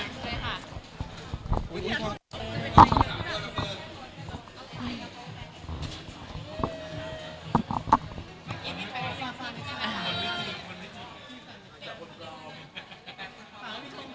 สวัสดีค่ะ